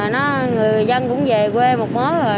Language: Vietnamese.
người dân cũng về quê một mối rồi